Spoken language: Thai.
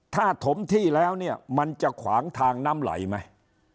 ถ้าถมที่แล้วเนี่ยมันจะขวางทางน้ำไหลไหม